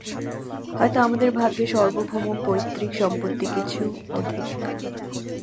হয়তো আমাদের ভাগে সার্বভৌম পৈতৃক সম্পত্তি কিছু অধিক।